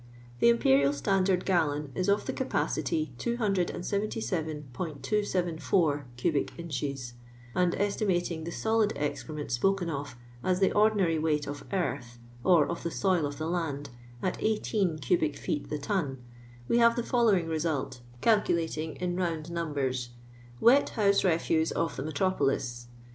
The imperial standard gallon is of the capacity of 277'274 cubic inches ; and estimating the solid excrement spoken of as the ordinary weight of earth, or of the soil of the land, at 18 cubic feet the ton, we have the following result, calculating in round numbers :— Wet ffouee Rtftue of the Metropolis.